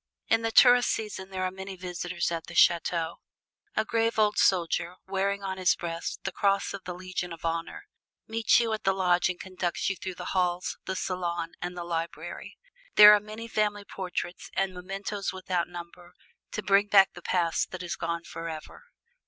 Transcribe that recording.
In the tourist season there are many visitors at the chateau. A grave old soldier, wearing on his breast the Cross of the Legion of Honor, meets you at the lodge and conducts you through the halls, the salon and the library. There are many family portraits, and mementos without number, to bring back the past that is gone forever.